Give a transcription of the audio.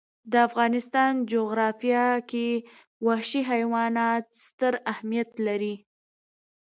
د افغانستان جغرافیه کې وحشي حیوانات ستر اهمیت لري.